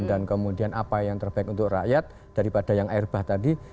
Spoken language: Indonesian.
dan kemudian apa yang terbaik untuk rakyat daripada yang air bah tadi